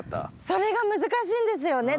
それが難しいんですよね。